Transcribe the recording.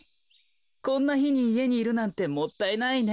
こんなひにいえにいるなんてもったいないね。